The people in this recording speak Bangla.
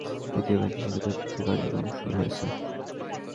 জানা যায়, চলতি জুলাই সেশনে দ্বিতীয় ব্যাচে শিক্ষার্থীদের ভর্তি কার্যক্রম শুরু হয়েছে।